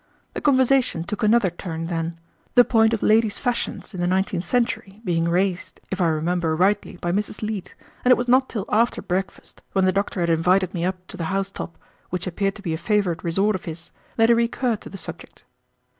The conversation took another turn then, the point of ladies' fashions in the nineteenth century being raised, if I remember rightly, by Mrs. Leete, and it was not till after breakfast, when the doctor had invited me up to the house top, which appeared to be a favorite resort of his, that he recurred to the subject.